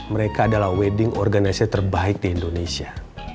mereka adalah wedding organizer terbaik di indonesia